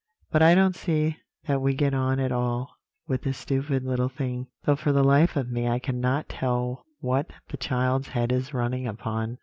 But I don't see that we get on at all with this stupid little thing; though for the life of me I cannot tell what the child's head is running upon.